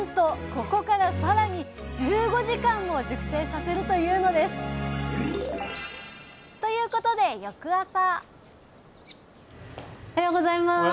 ここからさらに１５時間も熟成させるというのです！ということで翌朝おはようございます。